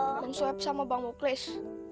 bukan suap sama bang muklis